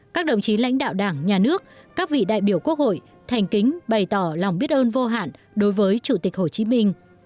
các đồng chí lãnh đạo đảng nhà nước các vị đại biểu quốc hội thành kính bày tỏ lòng biết ơn vô hạn đối với chủ tịch hồ chí minh